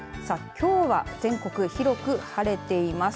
きょうは全国広く晴れています。